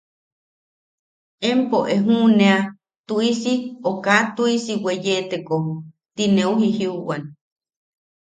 “Empo e juʼunea tuʼisi o kaa tuʼisi weyeteko”. Tineu jijiuwan.